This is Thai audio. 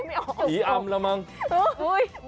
ไม่ให้แน่นหายใจไม่ออก